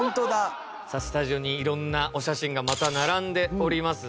スタジオに色んなお写真がまた並んでおります。